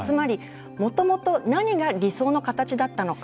もともと何が理想の形だったのか。